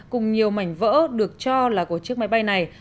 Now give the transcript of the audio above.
cùng nhiều mảnh vỡ được cho là của chiếc máy bay này